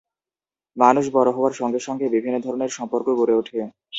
মানুষ বড় হওয়ার সঙ্গে সঙ্গে বিভিন্ন ধরনের সম্পর্ক গড়ে ওঠে।